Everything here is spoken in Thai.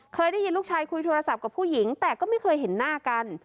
เคยได้ยินลูกชายคุยโทรศัพท์กับผู้หญิงแต่ก็ไม่เคยเห็นหน้ากัน